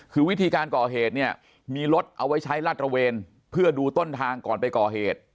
คือวิธีการก่อเหตุเนี่ยมีรถเอาไว้ใช้ลาดตระเวนเพื่อดูต้นทางก่อนไปก่อเหตุ